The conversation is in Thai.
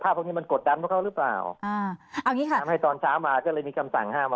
ภาพมันกดดับเขาหรือเปล่าอ่าเอางี้ค่ะทำให้ตอนช้ามาก็เลยมีคำสั่งห้าม